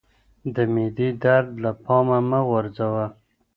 د معدې درد له پامه مه غورځوه